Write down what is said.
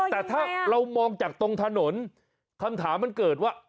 แต่ถ้าเรามองจากตรงถนนคำถามมันเกิดว่า